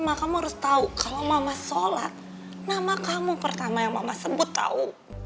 mama kamu harus tahu kalau mama sholat nama kamu pertama yang mama sebut tahu